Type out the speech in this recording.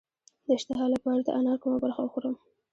د اشتها لپاره د انار کومه برخه وخورم؟